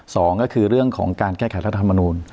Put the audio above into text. สองก็คือเรื่องของการแก้ไขรัฐธรรมนูล